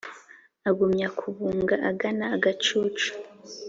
Agumya kubunga agana agacucu